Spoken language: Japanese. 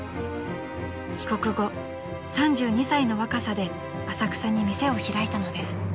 ［帰国後３２歳の若さで浅草に店を開いたのです］